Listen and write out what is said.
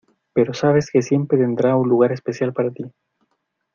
Pero sabes que siempre tendrá un lugar especial para ti.